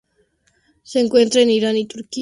Se encuentra en Irán y Turquía.